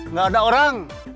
nggak ada orang